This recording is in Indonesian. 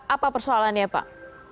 apa persoalannya pak